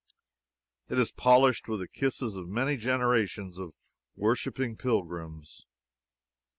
It is polished with the kisses of many generations of worshiping pilgrims.